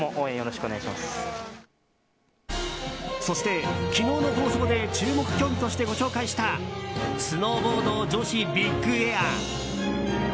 そして昨日の放送で注目競技としてご紹介したスノーボード女子ビッグエア。